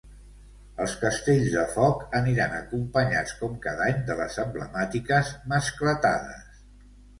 Els castells de foc aniran acompanyats com cada any de les emblemàtiques ‘mascletades’.